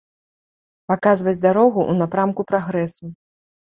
Паказваць дарогу ў напрамку прагрэсу.